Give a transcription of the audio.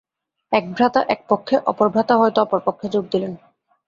এক ভ্রাতা এক পক্ষে, অপর ভ্রাতা হয়তো অপর পক্ষে যোগ দিলেন।